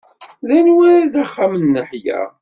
D anwa i d axxam n Yeḥya?